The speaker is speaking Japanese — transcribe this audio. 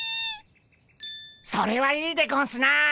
それはいいでゴンスな！